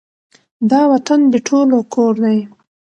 دا وطــن د ټولو کـــــــــــور دی